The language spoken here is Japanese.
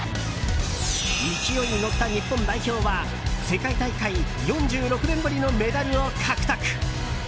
勢いに乗った日本代表は世界大会４６年ぶりのメダルを獲得。